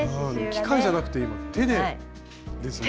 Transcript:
機械じゃなくて手でですもんね。